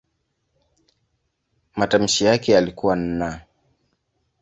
Matamshi yake yalikuwa "n".